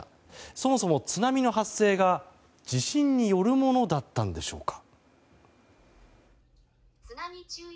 そもそも津波の発生が地震によるものだったんでしょうか。